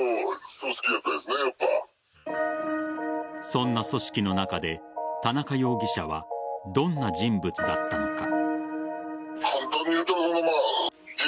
そんな組織の中で田中容疑者はどんな人物だったのか。